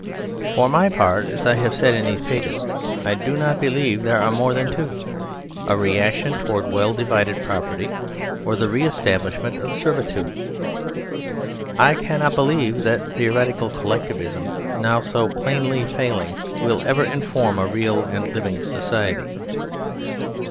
For my part, as I have said in these pages, I do not believe there are more than two : a reaction towards well divided property, or the re establishment of ser 187 THE SERVILE STATE vitude. I cannot believe that theoretical Collectiv ism, now so plainly failing, will ever inform a real and living society.